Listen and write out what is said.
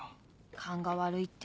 勘が悪いって。